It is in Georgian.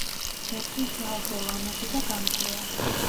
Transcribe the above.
ბეწვი ძალზე ლამაზი და გამძლეა.